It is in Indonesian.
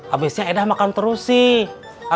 habisnya edah makan terus sih